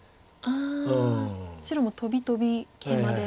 ああ白もトビトビケイマで。